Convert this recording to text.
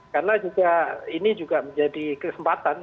karena ini juga menjadi kesempatan